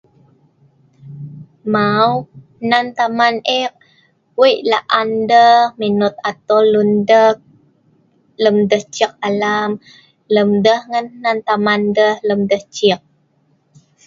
Mau, hnan taman eek wei la'an deh minot atoel lun deh lem deh ciek alam, lem deh ngan hnan taman deh lem deh ciek.